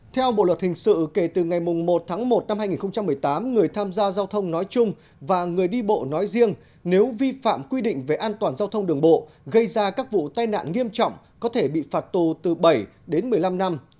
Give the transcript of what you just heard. theo bộ luật hình sự kể từ ngày một tháng một năm hai nghìn một mươi tám người tham gia giao thông nói chung và người đi bộ nói riêng nếu vi phạm quy định về an toàn giao thông đường bộ gây ra các vụ tai nạn nghiêm trọng có thể bị phạt tù từ bảy đến một mươi năm năm